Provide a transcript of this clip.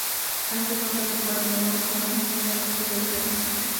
Este contrato fue renovado por Adán y Eva en octubre del año siguiente.